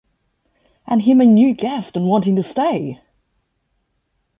And him a new guest and wanting to stay!